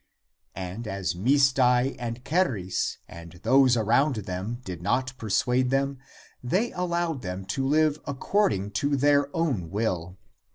And as Misdai and Charis and those around them did not persuade them, they allowed them to live according to their own will.